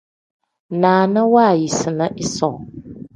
Naana waayisina isoo.